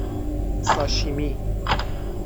ساشیمی